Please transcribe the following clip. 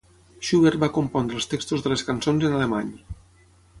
Schubert va compondre els textos de les cançons en alemany.